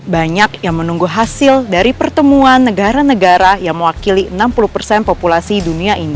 banyak yang menunggu hasil dari pertemuan negara negara yang mewakili enam puluh persen populasi dunia ini